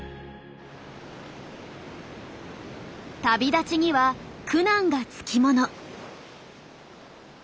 旅立ちには苦難がつきもの。